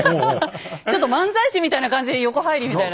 ちょっと漫才師みたいな感じで横入りみたいな。